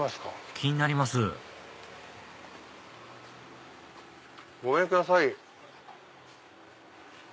気になりますごめんください。